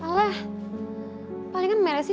kau themastis udah ngepot lah